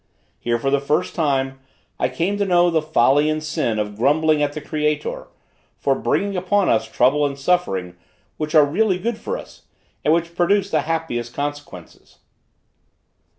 Here, for the first time, I came to know the folly and sin of grumbling at the Creator, for bringing upon us trouble and suffering, which are really good for us, and which produce the happiest consequences.